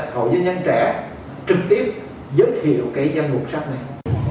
hội doanh nhân trẻ trực tiếp giới thiệu cái giam ngục sách này